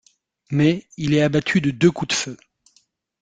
Mais, il est abattu de deux coups de feu.